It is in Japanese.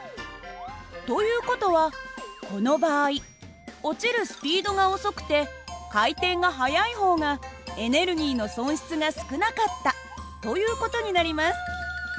という事はこの場合落ちるスピードが遅くて回転が速い方がエネルギーの損失が少なかったという事になります。